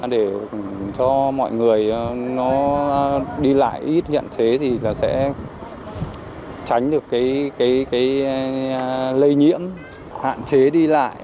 để cho mọi người nó đi lại ít hạn chế thì là sẽ tránh được cái lây nhiễm hạn chế đi lại